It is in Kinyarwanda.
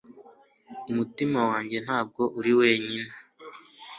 umutima wanjye ntabwo uri wenyine